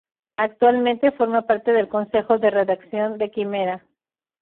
Actualmente forma parte del Consejo de Redacción de "Quimera.